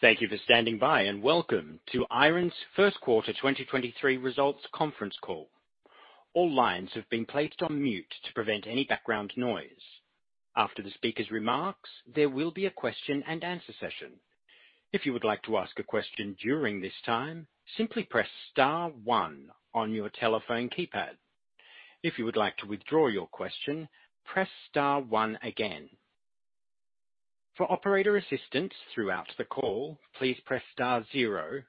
Thank you for standing by, and welcome to Iren's Q1 2023 Results Conference Call. All lines have been placed on mute to prevent any background noise. After the speaker's remarks, there will be a question and answer session. If you would like to ask a question during this time, simply press star one on your telephone keypad. If you would like to withdraw your question, press star one again. For operator assistance throughout the call, please press star zero.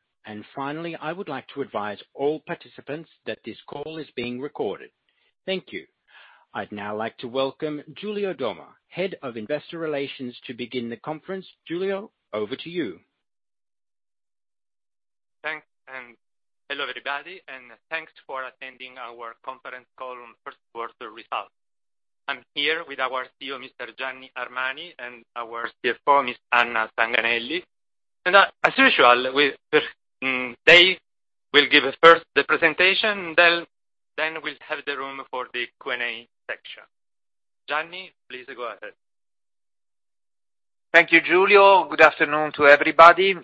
Finally, I would like to advise all participants that this call is being recorded. Thank you. I'd now like to welcome Giulio Domma, Head of Investor Relations, to begin the conference. Giulio, over to you. Thanks, and hello, everybody, and thanks for attending our conference call on Q1 results. I'm here with our CEO, Mr. Gianni Armani, and our CFO, Ms. Anna Tanganelli. As usual, they will give first the presentation, then we'll have the room for the Q&A section. Gianni, please go ahead. Thank you, Giulio. Good afternoon to everybody.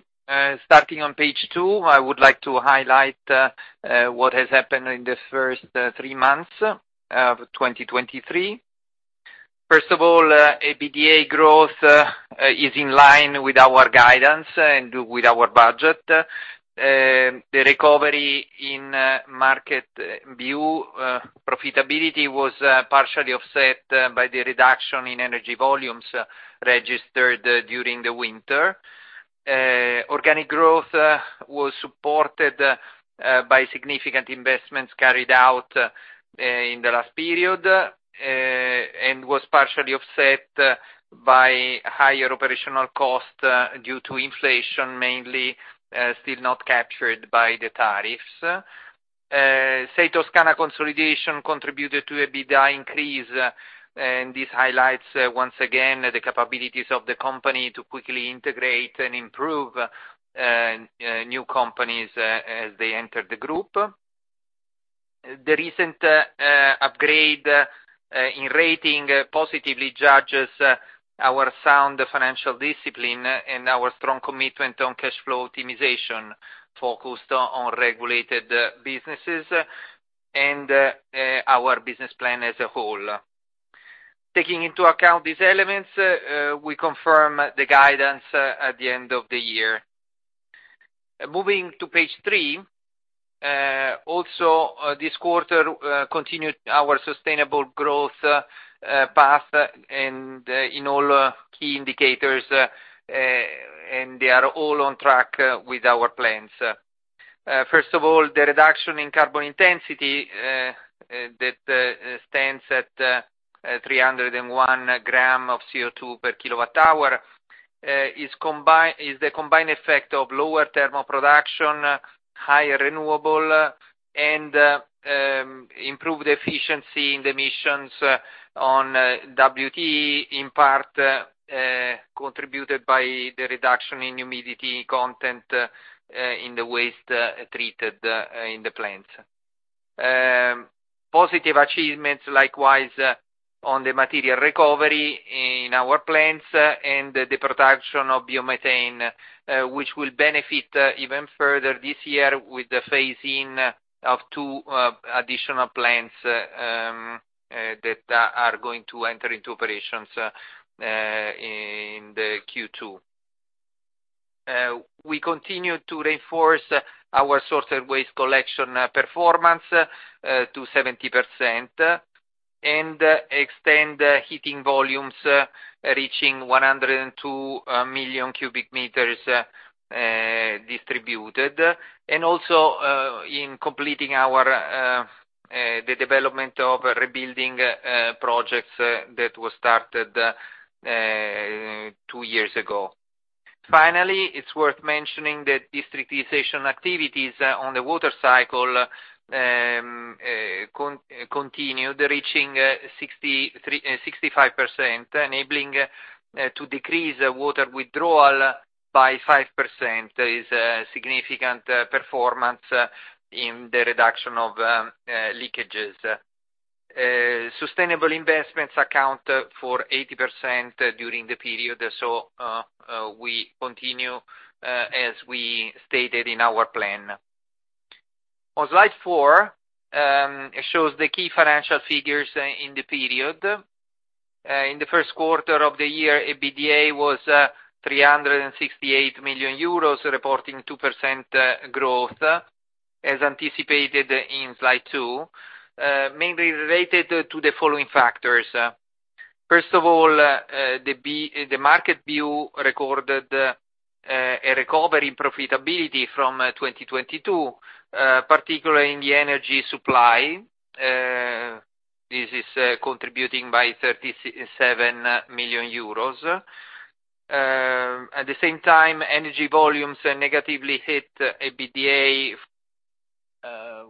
Starting on page two, I would like to highlight what has happened in the first three months of 2023. First of all, EBITDA growth is in line with our guidance and with our budget. The recovery in market view profitability was partially offset by the reduction in energy volumes registered during the winter. Organic growth was supported by significant investments carried out in the last period, and was partially offset by higher operational costs due to inflation, mainly still not captured by the tariffs. Sei Toscana consolidation contributed to a EBITDA increase, and this highlights once again, the capabilities of the company to quickly integrate and improve new companies as they enter the group. The recent upgrade in rating positively judges our sound financial discipline and our strong commitment on cash flow optimization focused on regulated businesses and our business plan as a whole. Taking into account these elements, we confirm the guidance at the end of the year. Moving to page three, also, this quarter, continued our sustainable growth path and in all key indicators, and they are all on track with our plans. First of all, the reduction in carbon intensity that stands at 301 gram of CO2 per kWh is the combined effect of lower thermal production, higher renewable and improved efficiency in the emissions on WtE, in part, contributed by the reduction in humidity content in the waste treated in the plants. Positive achievements likewise on the material recovery in our plants and the production of biomethane, which will benefit even further this year with the phase-in of two additional plants that are going to enter into operations in the Q2. We continue to reinforce our source and waste collection performance to 70% and extend the heating volumes, reaching 102 million cubic meters distributed, and also in completing our the development of rebuilding projects that was started two years ago. Finally, it's worth mentioning that districtization activities on the water cycle continued, reaching 63%-65%, enabling to decrease water withdrawal by 5% is a significant performance in the reduction of leakages. Sustainable investments account for 80% during the period, we continue as we stated in our plan. On slide four, it shows the key financial figures in the period. In the Q1 of the year, EBITDA was 368 million euros, reporting 2% growth, as anticipated in slide two, mainly related to the following factors. First of all, the market view recorded a recovery profitability from 2022, particularly in the energy supply. This is contributing by 37 million euros. At the same time, energy volumes negatively hit EBITDA.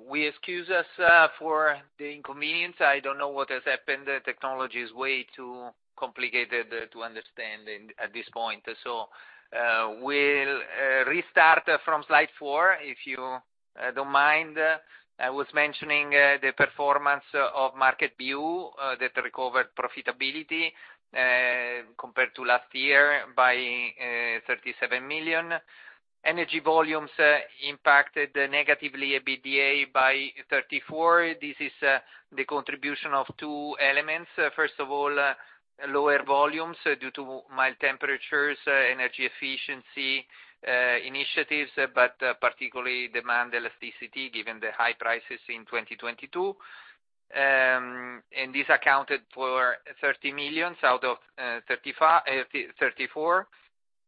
We excuse us for the inconvenience. I don't know what has happened. The technology is way too complicated to understand at this point. We'll restart from slide four, if you don't mind. I was mentioning the performance of market view that recovered profitability. Compared to last year by 37 million. Energy volumes impacted negatively EBITDA by 34 million. This is the contribution of two elements. First of all, lower volumes due to mild temperatures, energy efficiency initiatives, but particularly demand elasticity given the high prices in 2022. This accounted for 30 million out of 34.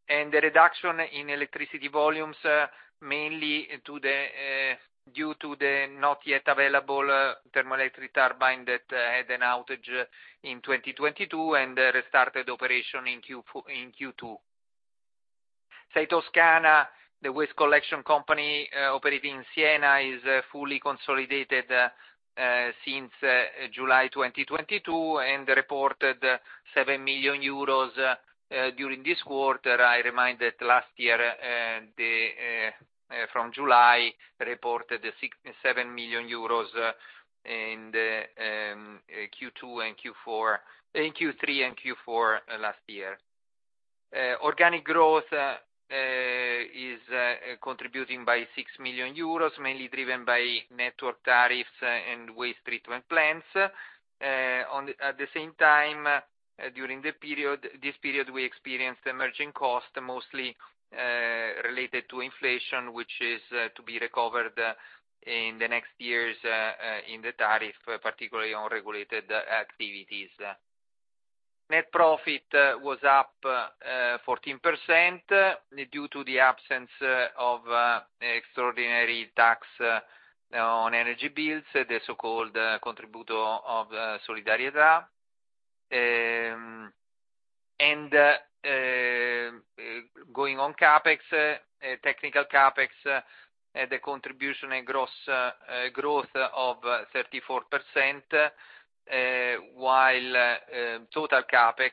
The reduction in electricity volumes, mainly to the due to the not yet available thermoelectric turbine that had an outage in 2022 and restarted operation in Q2. Sei Toscana, the waste collection company, operating in Siena is fully consolidated since July 2022 and reported 7 million euros during this quarter. I remind that last year from July reported 7 million euros in Q2 and Q4, in Q3 and Q4 last year. Organic growth is contributing by 6 million euros, mainly driven by network tariffs and waste treatment plants. At the same time, during the period, this period, we experienced emerging costs mostly related to inflation, which is to be recovered in the next years in the tariff, particularly on regulated activities. Net profit was up 14% due to the absence of extraordinary tax on energy bills, the so-called Contributo di Solidarietà. Going on CapEx, technical CapEx, the contribution and gross growth of 34%, while total CapEx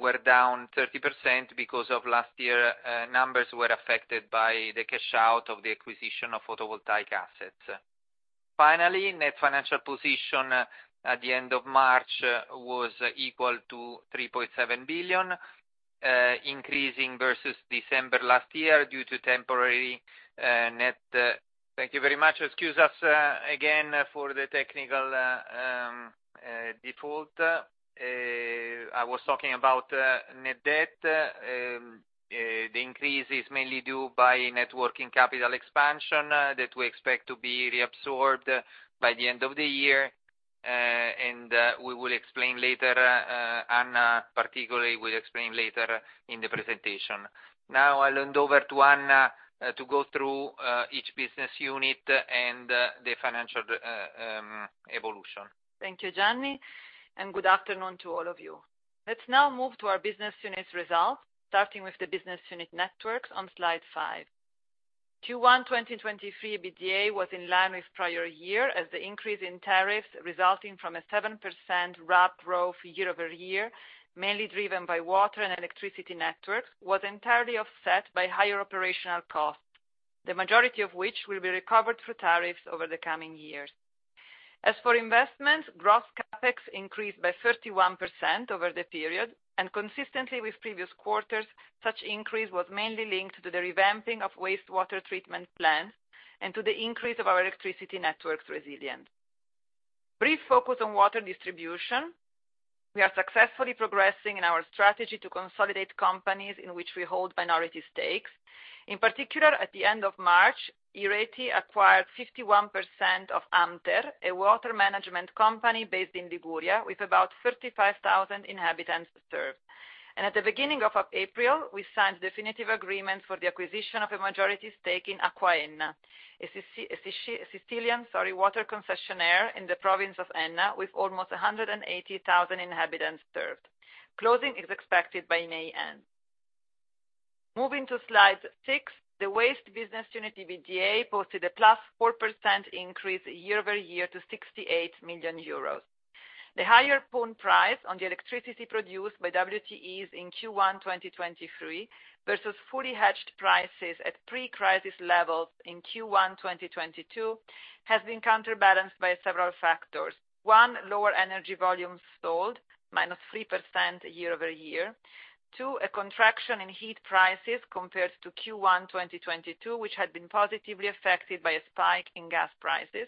were down 30% because of last year numbers were affected by the cash out of the acquisition of photovoltaic assets. Finally, net financial position at the end of March was equal to 3.7 billion, increasing versus December last year due to temporary. Thank you very much. Excuse us again for the technical default. I was talking about net debt. The increase is mainly due by networking capital expansion that we expect to be reabsorbed by the end of the year, and we will explain later, Anna particularly will explain later in the presentation. Now I'll hand over to Anna, to go through each business unit and the financial evolution. Thank you, Gianni. Good afternoon to all of you. Let's now move to our business unit results, starting with the business unit networks on slide five. Q1 2023 EBITDA was in line with prior year as the increase in tariffs resulting from a 7% RAB growth year-over-year, mainly driven by water and electricity networks, was entirely offset by higher operational costs, the majority of which will be recovered through tariffs over the coming years. As for investments, gross CapEx increased by 31% over the period. Consistently with previous quarters such increase was mainly linked to the revamping of wastewater treatment plants, and to the increase of our electricity networks resilience. Brief focus on water distribution. We are successfully progressing in our strategy to consolidate companies in which we hold minority stakes. In particular, at the end of March, Iren acquired 51% of AMTER, a water management company based in Liguria, with about 35,000 inhabitants served. At the beginning of April, we signed definitive agreements for the acquisition of a majority stake in AcquaEnna, a Sicilian water concessionaire in the province of Enna, with almost 180,000 inhabitants served. Closing is expected by May end. Moving to slide six, the waste business unit EBITDA posted a +4% increase year-over-year to 68 million euros. The higher PUN price on the electricity produced by WtEs in Q1 2023 versus fully hedged prices at pre-crisis levels in Q1 2022 has been counterbalanced by several factors. One, lower energy volumes sold -3% year-over-year. Two, a contraction in heat prices compared to Q1 2022, which had been positively affected by a spike in gas prices.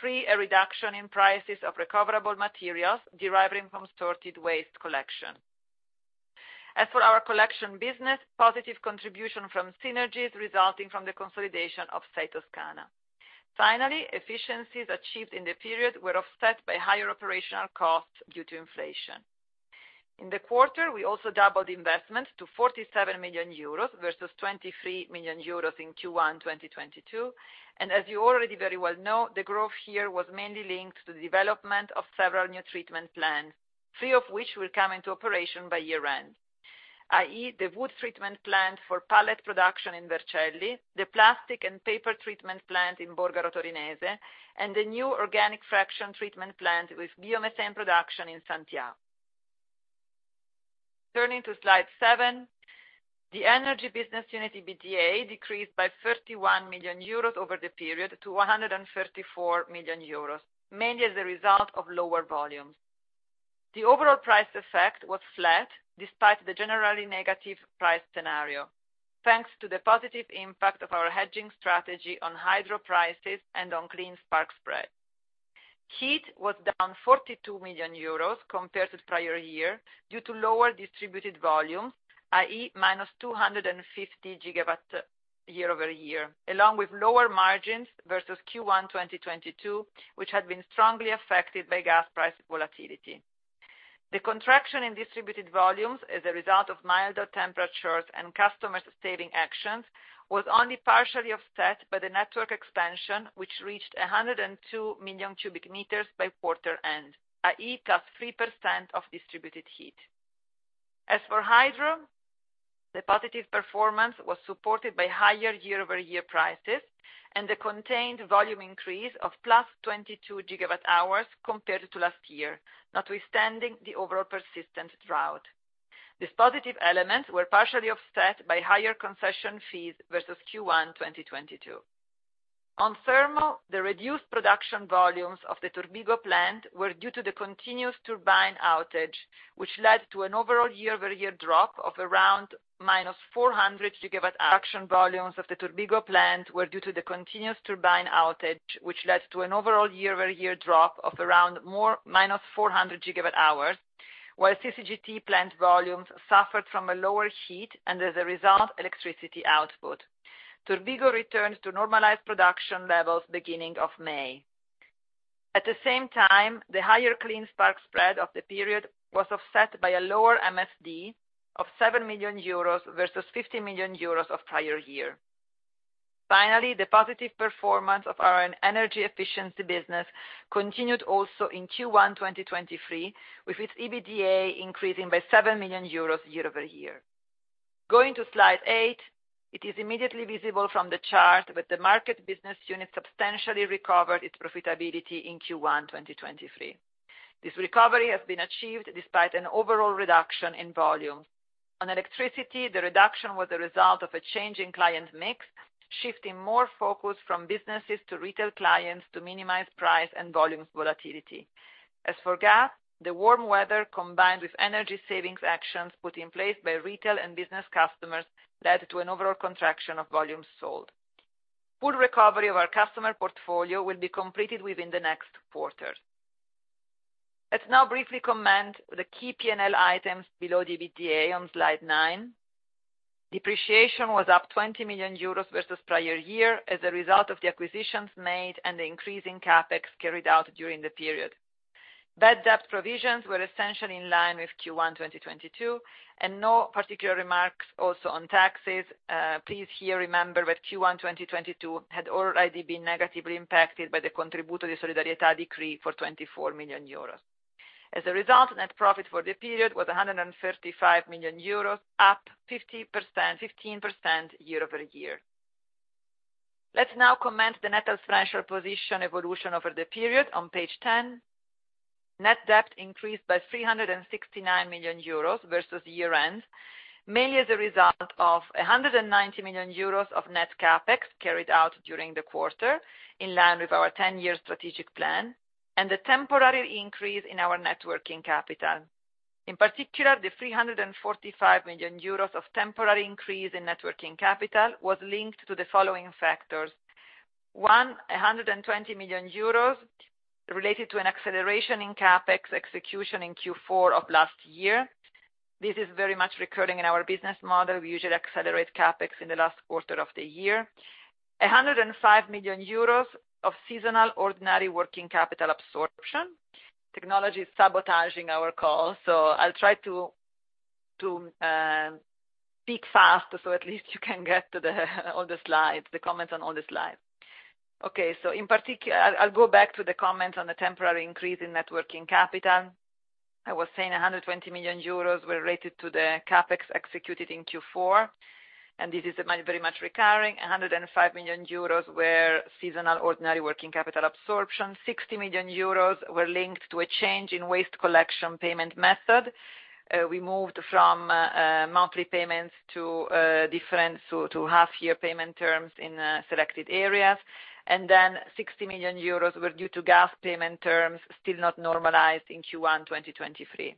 Three, a reduction in prices of recoverable materials deriving from sorted waste collection. For our collection business, positive contribution from synergies resulting from the consolidation of Sei Toscana. Finally, efficiencies achieved in the period were offset by higher operational costs due to inflation. In the quarter, we also doubled investment to 47 million euros versus 23 million euros in Q1 2022. As you already very well know, the growth here was mainly linked to the development of several new treatment plants, three of which will come into operation by year end, i.e., the wood treatment plant for pallet production in Vercelli, the plastic and paper treatment plant in Borgaro Torinese, and the new organic fraction treatment plant with biomass production in Santhià. Turning to slide seven. The energy business unit EBITDA decreased by 31 million euros over the period to 134 million euros, mainly as a result of lower volumes. The overall price effect was flat despite the generally negative price scenario, thanks to the positive impact of our hedging strategy on hydro prices and on clean spark spread. Heat was down 42 million euros compared to the prior year due to lower distributed volumes, i.e., -250 GW year-over-year, along with lower margins versus Q1 2022, which had been strongly affected by gas price volatility. The contraction in distributed volumes as a result of milder temperatures and customers saving actions, was only partially offset by the network expansion, which reached 102 million cubic meters by quarter end, i.e., plus 3% of distributed heat. As for hydro, the positive performance was supported by higher year-over-year prices and the contained volume increase of +22 GW hours compared to last year, notwithstanding the overall persistent drought. These positive elements were partially offset by higher concession fees versus Q1 2022. On thermal, the reduced production volumes of the Turbigo plant were due to the continuous turbine outage, which led to an overall year-over-year drop of around -400 GW hours, while CCGT plant volumes suffered from a lower heat and as a result, electricity output. Turbigo returned to normalized production levels beginning of May. At the same time, the higher clean spark spread of the period was offset by a lower MSD of 7 million euros versus 50 million euros of prior year. The positive performance of our energy efficiency business continued also in Q1 2023, with its EBITDA increasing by 7 million euros year-over-year. Going to slide eight, it is immediately visible from the chart that the market business unit substantially recovered its profitability in Q1 2023. This recovery has been achieved despite an overall reduction in volumes. On electricity, the reduction was a result of a change in client mix, shifting more focus from businesses to retail clients to minimize price and volumes volatility. As for gas, the warm weather, combined with energy savings actions put in place by retail and business customers, led to an overall contraction of volumes sold. Full recovery of our customer portfolio will be completed within the next quarter. Let's now briefly comment the key P&L items below EBITDA on slide nine. Depreciation was up 20 million euros versus prior year as a result of the acquisitions made and the increase in CapEx carried out during the period. Bad debt provisions were essentially in line with Q1 2022 and no particular remarks also on taxes. Please here remember that Q1 2022 had already been negatively impacted by the Contributo di Solidarietà decree for 24 million euros. As a result, net profit for the period was 135 million euros, up 15% year-over-year. Let's now comment the net financial position evolution over the period on page 10. Net debt increased by 369 million euros versus year end, mainly as a result of 190 million euros of net CapEx carried out during the quarter, in line with our 10-year strategic plan, and the temporary increase in our networking capital. In particular, the 345 million euros of temporary increase in networking capital was linked to the following factors, one, 120 million euros related to an acceleration in CapEx execution in Q4 of last year. This is very much recurring in our business model. We usually accelerate CapEx in the last quarter of the year. 105 million euros of seasonal ordinary working capital absorption. Technology is sabotaging our call, so I'll try to speak faster, so at least you can get to the all the slides, the comments on all the slides. Okay. In particular, I'll go back to the comments on the temporary increase in net working capital. I was saying 120 million euros were related to the CapEx executed in Q4, and this is very much recurring. 105 million euros were seasonal ordinary working capital absorption. 60 million euros were linked to a change in waste collection payment method. We moved from monthly payments to different, so to half year payment terms in selected areas. 60 million euros were due to gas payment terms still not normalized in Q1 2023.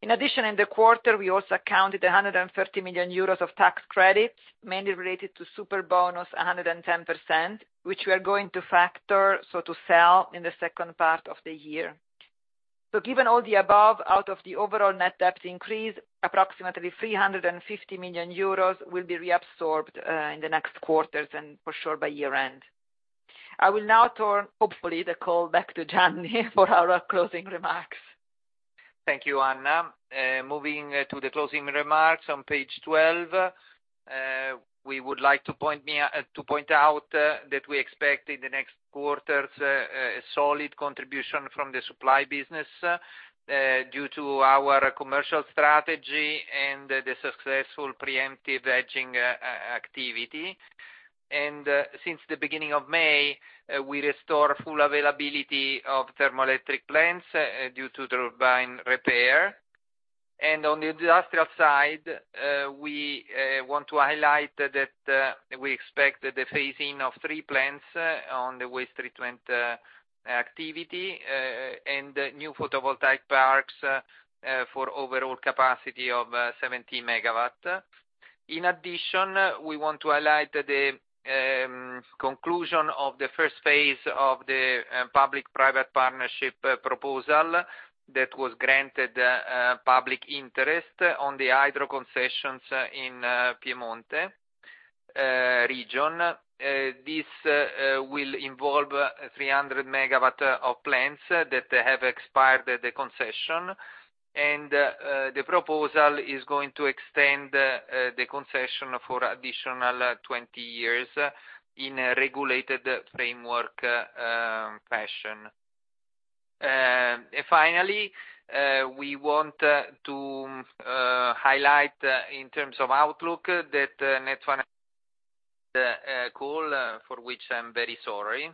In addition, in the quarter, we also counted 130 million euros of tax credits, mainly related to Superbonus 110%, which we are going to factor, so to sell in the second part of the year. Given all the above, out of the overall net debt increase, approximately 350 million euros will be reabsorbed in the next quarters and for sure by year end. I will now turn, hopefully, the call back to Gianni for our closing remarks. Thank you, Anna. Moving to the closing remarks on page 12, we would like to point out that we expect in the next quarters a solid contribution from the supply business due to our commercial strategy and the successful preemptive hedging activity. Since the beginning of May, we restore full availability of thermoelectric plants due to the turbine repair. On the industrial side, we want to highlight that we expect the phasing of three plants on the waste treatment activity and new photovoltaic parks for overall capacity of 70 MW. In addition, we want to highlight the conclusion of the first phase of the Public-Private Partnership proposal that was granted public interest on the hydro concessions in Piemonte region. This will involve 300 MW of plants that have expired the concession, and the proposal is going to extend the concession for additional 20 years in a regulated framework fashion. Finally, we want to highlight in terms of outlook that call, for which I'm very sorry.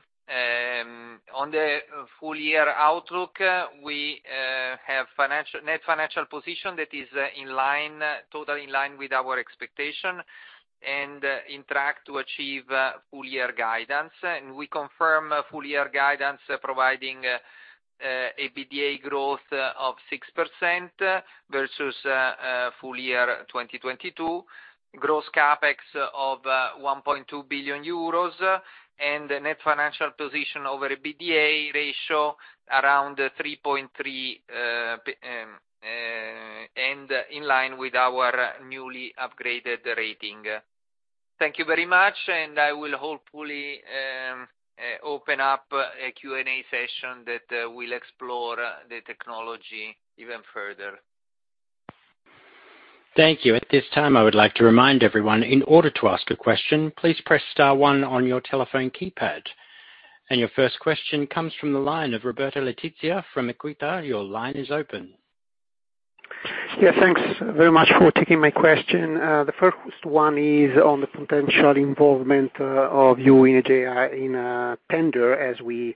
On the full year outlook, we have net financial position that is in line, totally in line with our expectation and in track to achieve full year guidance. We confirm full year guidance, providing EBITDA growth of 6% versus full year 2022, gross CapEx of 1.2 billion euros, and a net financial position over EBITDA ratio around 3.3 and in line with our newly upgraded rating. Thank you very much. I will hopefully open up a Q&A session that will explore the technology even further. Thank you. At this time, I would like to remind everyone, in order to ask a question, please press star one on your telephone keypad. Your first question comes from the line of Roberto Letizia from EQUITA. Your line is open. Yeah, thanks very much for taking my question. The first one is on the potential involvement of you in EGEA tender, as we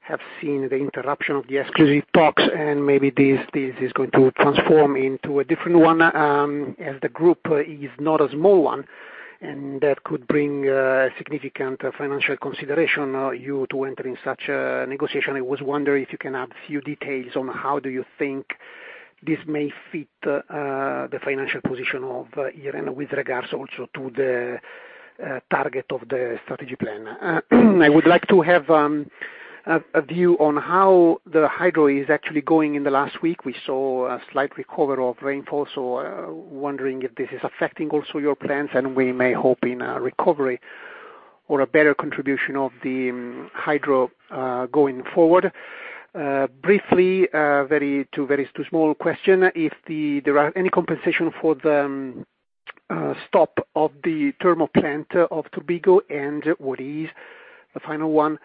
have seen the interruption of the exclusive talks. Maybe this is going to transform into a different one, as the group is not a small one, that could bring significant financial consideration, you to enter in such a negotiation. I was wondering if you can add a few details on how do you think this may fit the financial position of Iren with regards also to the target of the strategy plan. I would like to have a view on how the hydro is actually going in the last week. We saw a slight recovery of rainfall, so wondering if this is affecting also your plans, and we may hope in a recovery or a better contribution of the hydro going forward? Briefly, two very small questions. If there are any compensation for the stop of the thermal plant of Turbigo, and what is, the final one,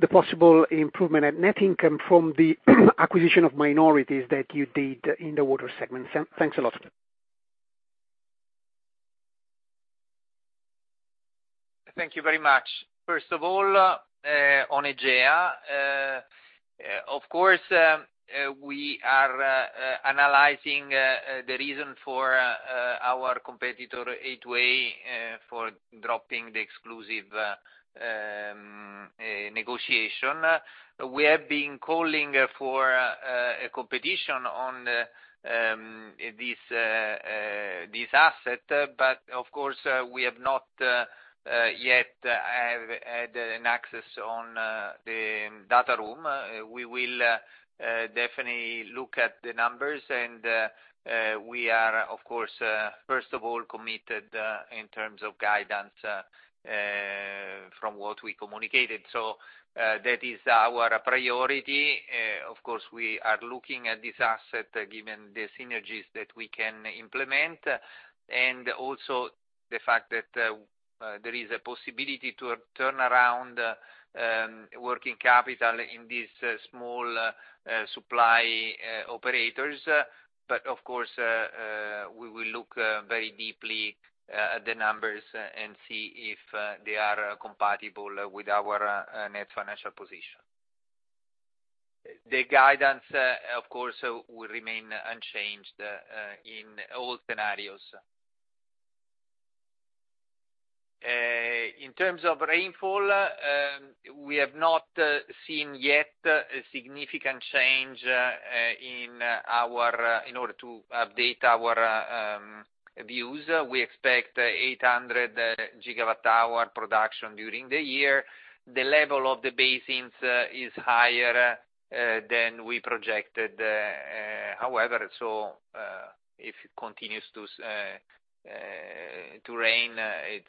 the possible improvement at net income from the acquisition of minorities that you did in the water segment? Thanks a lot. Thank you very much. First of all, on EGEA, of course, we are analyzing the reason for our competitor A2A for dropping the exclusive negotiation. We have been calling for a competition on this asset, of course, we have not yet have had an access on the data room. We will definitely look at the numbers and we are of course, first of all committed in terms of guidance from what we communicated. That is our priority. Of course, we are looking at this asset given the synergies that we can implement, and also the fact that there is a possibility to turn around working capital in these small supply operators. Of course, we will look very deeply at the numbers and see if they are compatible with our net financial position. The guidance, of course, will remain unchanged in all scenarios. In terms of rainfall, we have not seen yet a significant change in order to update our views. We expect 800 GW hour production during the year. The level of the basins is higher than we projected. However, if it continues to rain, it's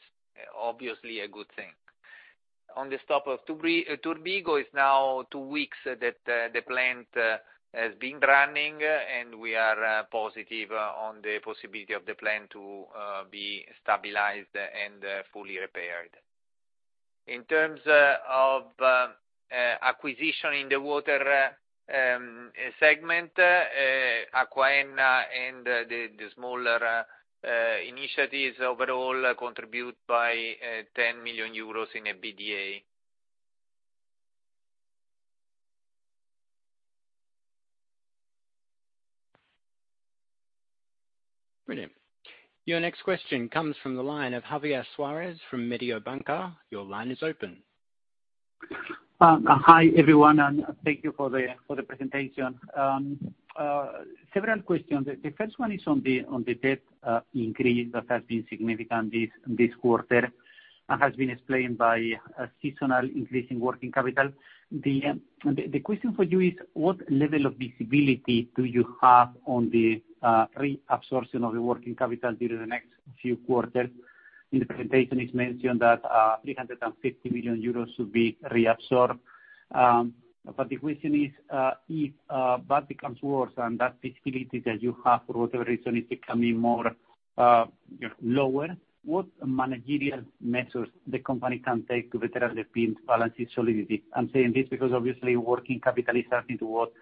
obviously a good thing. On the stop of Turbigo, it's now two weeks that the plant has been running. We are positive on the possibility of the plant to be stabilized and fully repaired. In terms of acquisition in the water segment, AcquaEnna and the smaller initiatives overall contribute by 10 million euros in EBITDA. Brilliant. Your next question comes from the line of Javier Suarez from Mediobanca. Your line is open. Hi, everyone, thank you for the presentation. Several questions. The first one is on the debt increase that has been significant this quarter, has been explained by a seasonal increase in working capital. The question for you is, what level of visibility do you have on the reabsorption of the working capital during the next few quarters? In the presentation, it's mentioned that 350 million euros will be reabsorbed. The question is, if that becomes worse and that visibility that you have for whatever reason is becoming more, you know, lower, what managerial measures the company can take to better the balance sheet solidity? I'm saying this because obviously working capital is something to what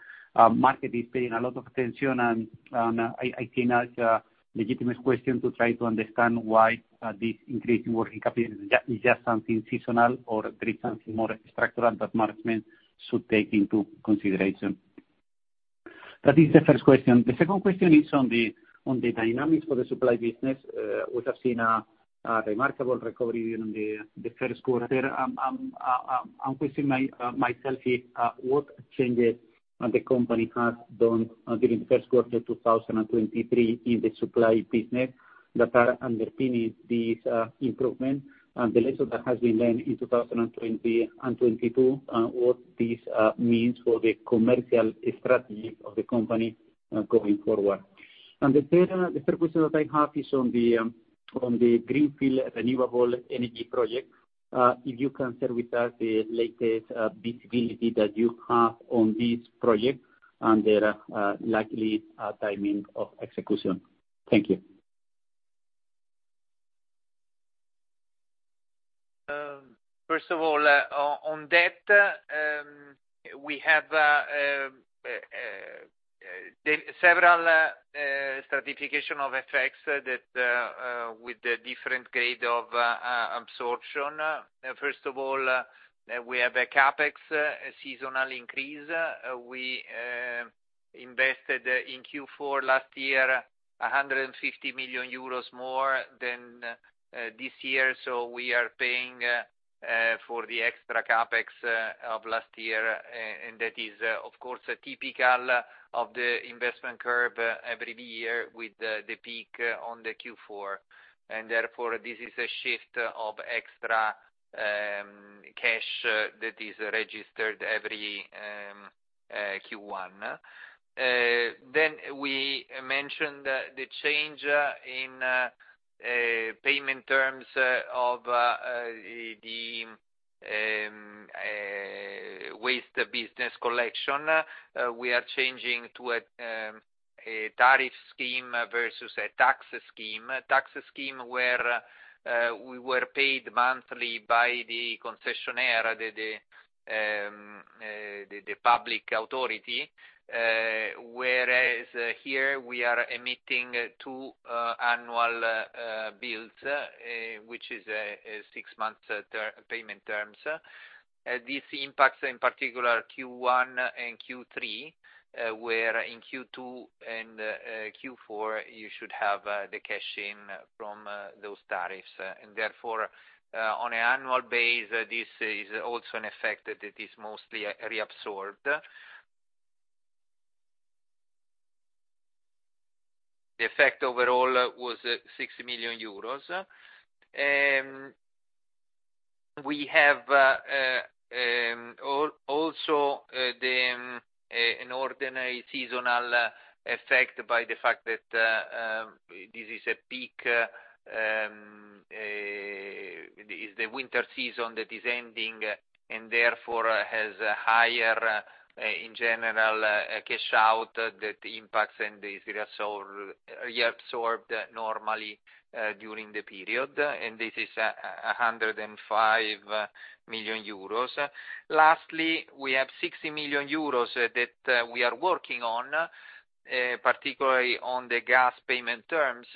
market is paying a lot of attention, and I think that's a legitimate question to try to understand why this increasing working capital is just something seasonal or there is something more structural that management should take into consideration. That is the first question. The second question is on the dynamics for the supply business. We have seen a remarkable recovery during the Q1. What changes has the company done during the Q1 2023 in the supply business that are underpinning these improvement, and the lesson that has been learned in 2020 and 2022, what this means for the commercial strategy of the company going forward. The third question that I have is on the Greenfield Renewable Energy Project, if you can share with us the latest visibility that you have on this project and the likely timing of execution. Thank you. First of all, on debt, we have several certification of effects that with the different grade of absorption. First of all, we have a CapEx seasonal increase. We invested in Q4 last year 150 million euros more than this year, so we are paying for the extra CapEx of last year. That is, of course, typical of the investment curve every year with the peak on the Q4. Therefore, this is a shift of extra cash that is registered every Q1. Then we mentioned the change in payment terms of the waste business collection. We are changing to a tariff scheme versus a tax scheme. A tax scheme where we were paid monthly by the concessionaire, the public authority, whereas here we are emitting two annual bills, which is a six-month payment terms. This impacts in particular Q1 and Q3, where in Q2 and Q4, you should have the cash-in from those tariffs. Therefore, on an annual base, this is also an effect that it is mostly reabsorbed. The effect overall was 60 million euros. We have also the an ordinary seasonal effect by the fact that this is a peak, it's the winter season that is ending and therefore has a higher in general cash out that impacts and is reabsorbed normally during the period. This is a 105 million euros. Lastly, we have 60 million euros that we are working on particularly on the gas payment terms.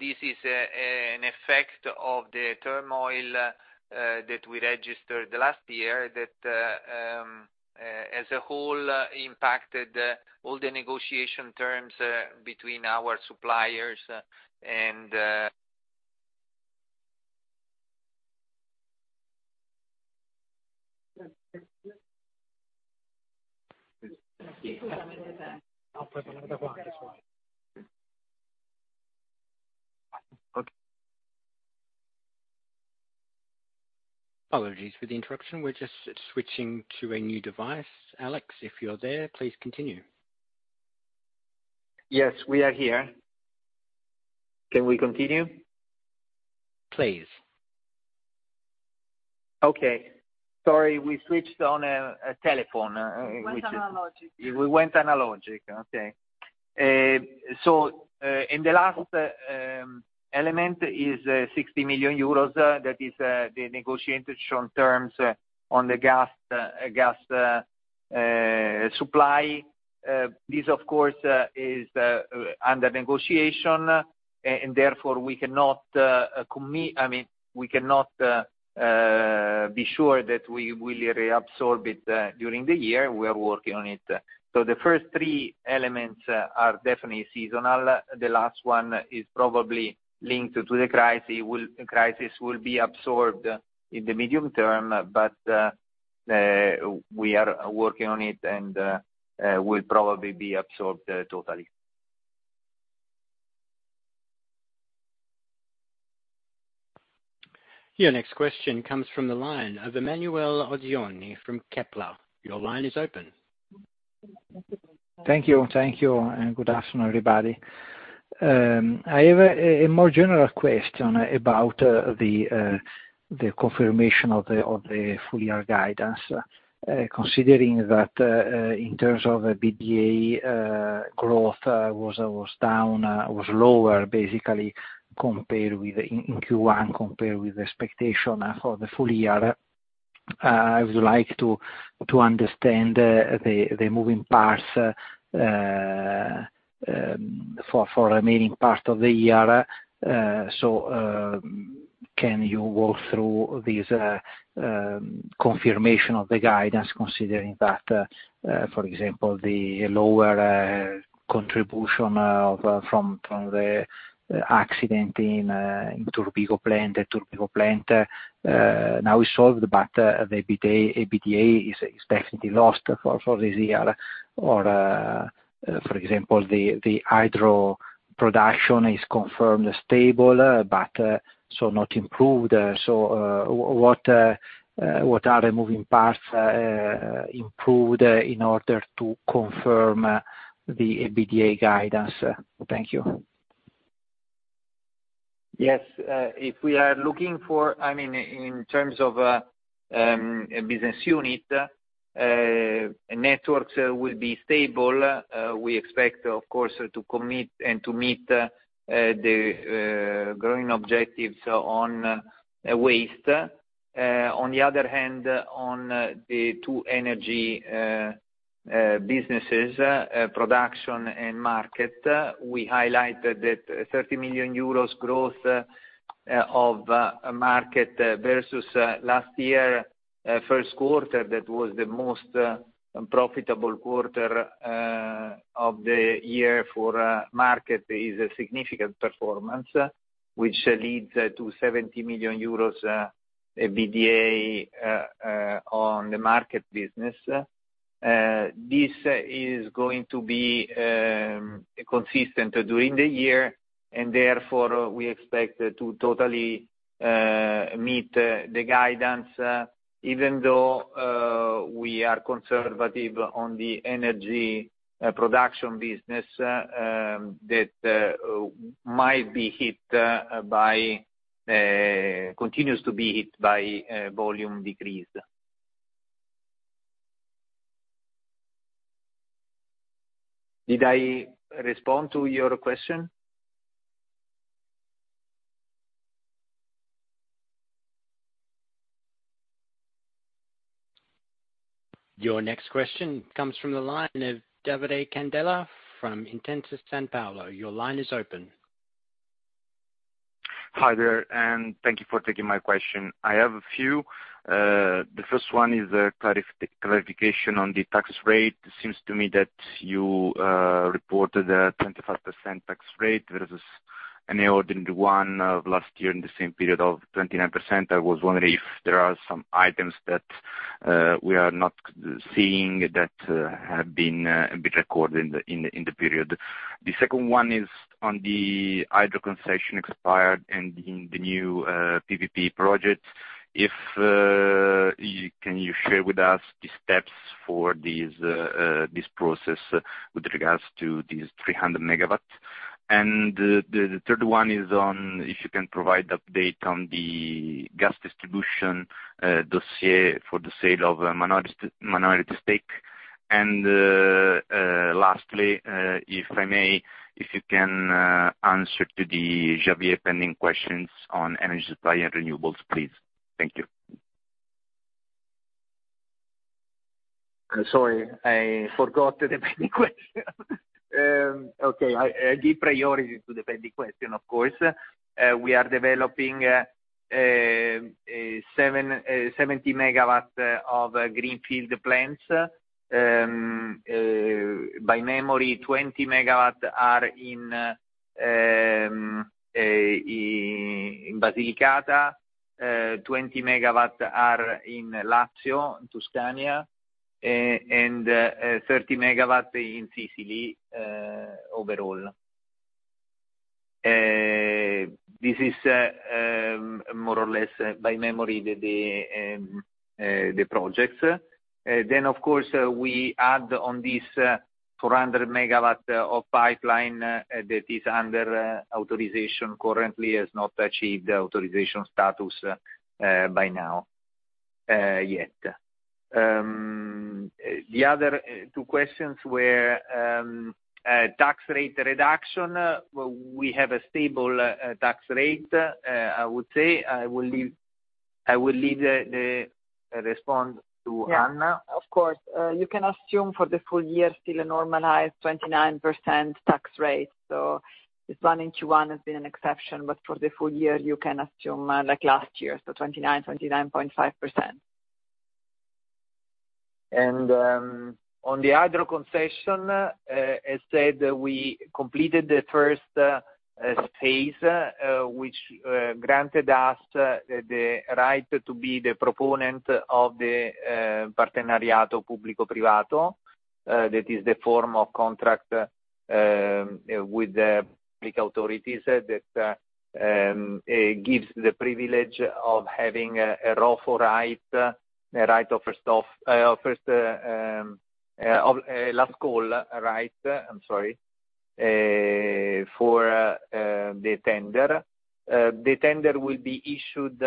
This is an effect of the turmoil that we registered last year that as a whole impacted all the negotiation terms between our suppliers and. Apologies for the interruption. We're just switching to a new device. Alex, if you're there, please continue. Yes, we are here. Can we continue? Please. Okay. Sorry, we switched on a telephone. Went analogic. We went analogic. Okay. The last element is 60 million euros that is the negotiated strong terms on the gas supply. This of course is under negotiation, and therefore we cannot commit. I mean, we cannot be sure that we will reabsorb it during the year, we are working on it. The first three elements are definitely seasonal. The last one is probably linked to the crisis, the crisis will be absorbed in the medium term, but we are working on it and will probably be absorbed totally. Your next question comes from the line of Emanuele Oggioni from Kepler. Your line is open. Thank you, and good afternoon, everybody. I have a more general question about the confirmation of the full year guidance. Considering that in terms of the EBITDA growth was down, was lower, basically, compared with in Q1, compared with the expectation for the full year. I would like to understand the moving parts for remaining part of the year. Can you walk through these confirmation of the guidance considering that, for example, the lower contribution from the accident in Turbigo plant, the Turbigo plant now is solved, but the EBITDA is definitely lost for this year. For example, the hydro production is confirmed stable, but so not improved. What are the moving parts, improved in order to confirm the EBITDA guidance? Thank you. Yes, interms of business unit, networks will be stable. We expect, of course, to commit and to meet the growing objectives on waste. On the other hand, on the two energy businesses, production and market. We highlighted that 30 million euros growth of market versus last year, Q1, that was the most profitable quarter of the year for market, is a significant performance, which leads to 70 million euros EBITDA on the market business. This is going to be consistent during the year and therefore we expect to totally meet the guidance even though we are conservative on the energy production business that might be hit by continues to be hit by volume decrease. Did I respond to your question? Your next question comes from the line of Davide Candela from Intesa Sanpaolo. Your line is open. Hi there, thank you for taking my question. I have a few. The first one is a clarification on the tax rate. It seems to me that you reported a 25% tax rate versus an ordinary one of last year in the same period of 29%. I was wondering if there are some items that we are not seeing that have been recorded in the period. The second one is on the hydro concession expired and the new PPP project. If you can you share with us the steps for these this process with regards to these 300 MWs? The third one is on if you can provide update on the gas distribution dossier for the sale of a minority stake. Lastly, if I may, if you can, answer to the Javier pending questions on energy supply and renewables, please. Thank you. I'm sorry, I forgot the pending question. Okay. I give priority to the pending question, of course. We are developing 70 MW of greenfield plants. By memory, 20 MW are in Basilicata, 20 MW are in Lazio, Tuscany, and 30 MW in Sicily, overall. This is more or less by memory the projects. Of course, we add on this 400 MW of pipeline that is under authorization currently has not achieved authorization status by now yet. The other two questions were tax rate reduction. We have a stable tax rate, I would say. I will leave the respond to Anna. Yeah. Of course. you can assume for the full year still a normalized 29% tax rate. It's one into one has been an exception, but for the full year you can assume, like last year, 29%-29.5%. On the hydro concession, as said, we completed the first space, which granted us the right to be the proponent of the Partenariato Pubblico-Privato. That is the form of contract with the public authorities that gives the privilege of having a ROFO right, a last call right, I'm sorry, for the tender. The tender will be issued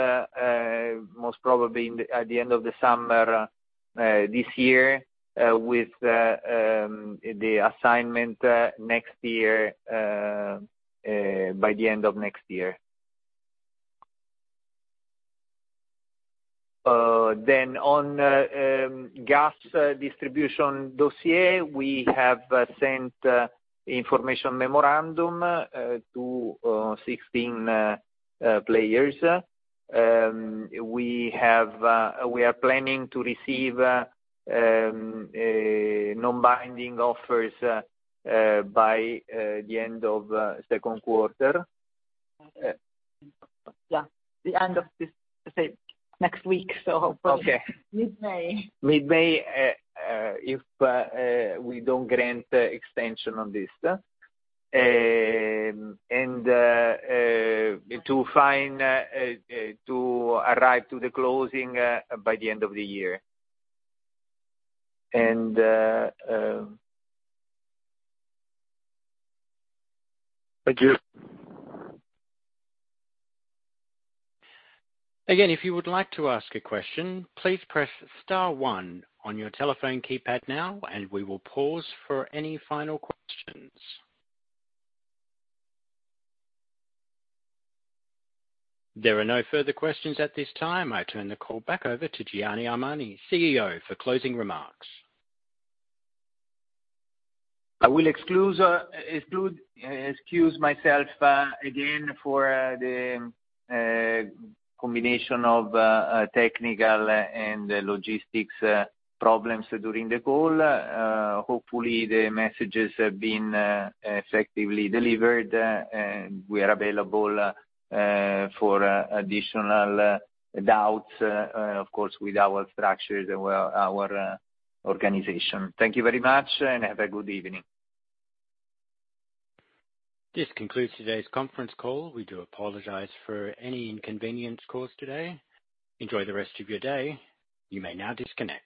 most probably at the end of the summer this year, with the assignment next year by the end of next year. On gas distribution dossier, we have sent information memorandum to 16 players. We are planning to receive non-binding offers by the end of Q2. Yeah. The end of this, say, next week. Hopefully. Okay. Mid-May. Mid-May, if we don't grant extension on this. To arrive to the closing by the end of the year. Thank you. Again, if you would like to ask a question, please press star one on your telephone keypad now, and we will pause for any final questions. There are no further questions at this time. I turn the call back over to Gianni Armani, CEO, for closing remarks. I will excuse myself again for the combination of technical and logistics problems during the call. Hopefully, the messages have been effectively delivered, and we are available for additional doubts, of course, with our structures and with our organization. Thank you very much, and have a good evening. This concludes today's conference call. We do apologize for any inconvenience caused today. Enjoy the rest of your day. You may now disconnect.